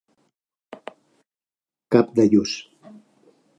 Cap de lluç.